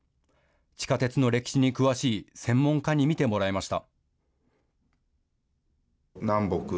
地下鉄の歴史に詳しい専門家に見てもらいました。